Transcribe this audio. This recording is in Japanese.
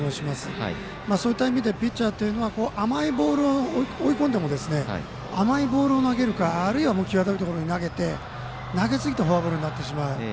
そういった意味でピッチャーは追い込んでも甘いボールを投げるかあるいは際どいところに投げて投げすぎてフォアボールになってしまう。